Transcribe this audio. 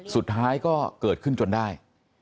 สุดท้ายก็เกิดขึ้นจนได้